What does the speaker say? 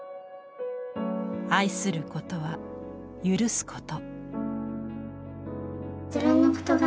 「愛することはゆるすこと」。